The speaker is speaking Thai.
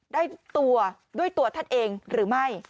ได้ตัวด้วยตัวท่านเองหรือไม่